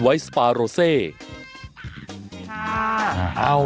กัญชา